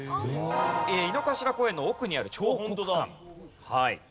井の頭公園の奥にある彫刻館。